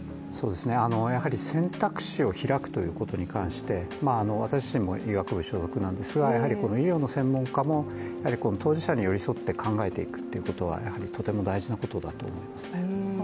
やはり選択肢を開くということに関して、私自身も医学部所属なんですが医療の専門家も当事者に寄り添って考えていくということはとても大事なことだと思います。